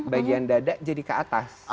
bagian dada jadi ke atas